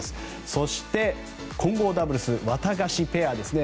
そして、混合ダブルスワタガシペアですね。